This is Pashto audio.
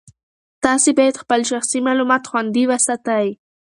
تاسي باید خپل شخصي معلومات خوندي وساتئ.